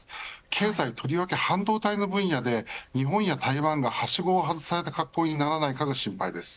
経済、とりわけ半導体の分野で日本や台湾がはしごを外された格好にならないか心配です。